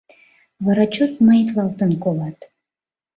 Вара чот маитлалтын колат.